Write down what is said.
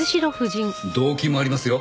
動機もありますよ。